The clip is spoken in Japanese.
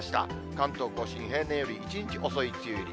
関東甲信、平年より１日遅い梅雨入り。